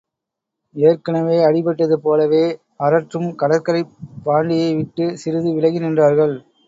ஏற்கனவே அடிபட்டதுபோலவே அரற்றும் கடற்கரைப் பாண்டியை விட்டு, சிறிது விலகி நின்றார்கள்.